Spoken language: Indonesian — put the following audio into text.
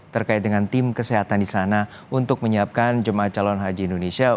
terkait dengan tim kesehatan di sana untuk menyiapkan jemaah calon haji indonesia